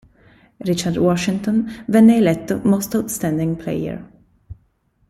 Richard Washington venne eletto Most Outstanding Player.